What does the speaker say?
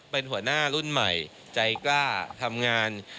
เป็นหัวหน้ารุ่นใหม่ใจกล้าทำงาน